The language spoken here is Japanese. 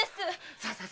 さあさあ